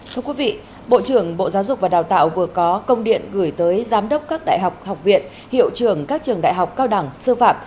thưa quý vị bộ trưởng bộ giáo dục và đào tạo vừa có công điện gửi tới giám đốc các đại học học viện hiệu trưởng các trường đại học cao đẳng sư phạm